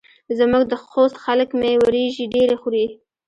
زموږ د خوست خلک مۍ وریژې ډېرې خوري.